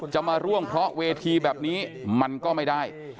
จะมาร่วงเพราะเวทีแบบนี้มันก็ไม่ได้